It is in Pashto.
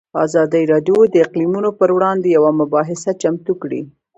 ازادي راډیو د اقلیتونه پر وړاندې یوه مباحثه چمتو کړې.